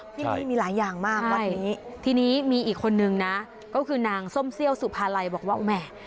ที่นี่มีหลายอย่างมากวัดนี้ทีนี้มีอีกคนนึงนะก็คือนางส้มเซี่ยวสุภาลัยบอกว่าแหม